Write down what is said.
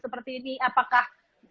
seperti ini apakah